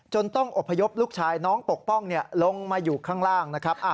ต้องอบพยพลูกชายน้องปกป้องลงมาอยู่ข้างล่างนะครับ